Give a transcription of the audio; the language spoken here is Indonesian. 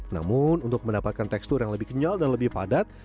namun untuk mendapatkan tekstur yang lebih kenyal dan lebih padat